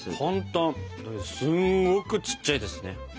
でもすんごくちっちゃいですね。